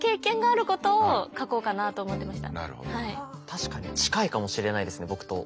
確かに近いかもしれないですね僕と。